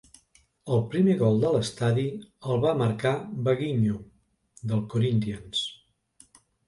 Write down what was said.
El primer gol de l'estadi el va marcar Vaguinho, del Corinthians.